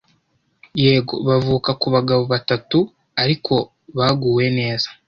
yego bavuka ku bagabo batatu ariko baguwe neza